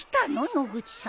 野口さん。